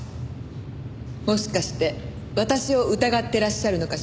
もしかして私を疑ってらっしゃるのかしら？